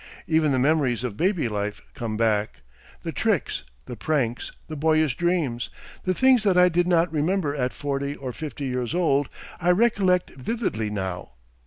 Even the memories of baby life come back the tricks, the pranks, the boyish dreams; and things that I did not remember at forty or fifty years old I recollect vividly now.